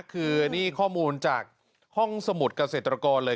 คือนี่ข้อมูลจากห้องสมุดเกษตรกรเลย